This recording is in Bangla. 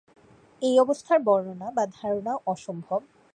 এই অবস্থার বর্ণনা বা ধারণাও অসম্ভব।